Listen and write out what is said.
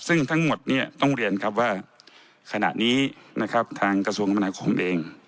ซึ่งทั้งหมดต้องเรียนครับว่าขณะนี้ทางกระทรวงกรรมนาคมเอง